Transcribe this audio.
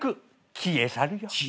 消え去る？